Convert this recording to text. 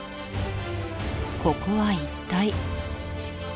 ここは一体？